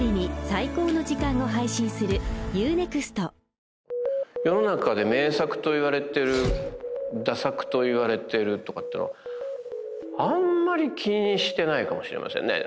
俺がこの役だったのに世の中で名作といわれている駄作といわれているとかってのはあんまり気にしてないかもしれませんね